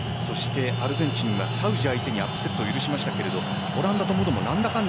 アルゼンチンはサウジ相手にアップセットを許しましたがオランドともどもなんだかんだ